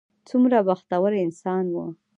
څومره بختور انسان و.